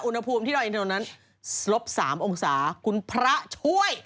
อุณหภูมิที่ดอยอินเทอร์นั้นลบ๓องศาคุณพระช่วย